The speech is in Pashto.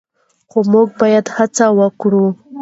خو موږ باید هڅه وکړو.